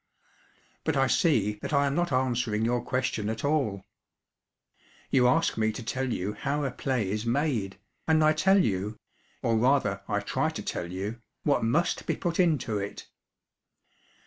But I see that I am not answering your question at all. You ask me to tell you how a play is made, and I tell you, or rather I try to tell you, what must be put into it.